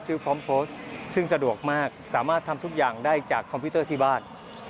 พร้อมโพสต์ซึ่งสะดวกมากสามารถทำทุกอย่างได้จากคอมพิวเตอร์ที่บ้าน